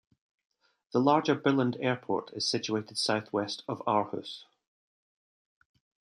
The larger Billund Airport is situated south-west of Aarhus.